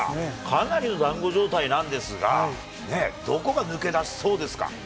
かなりのだんご状態なんですがね、どこが抜け出しそうですか？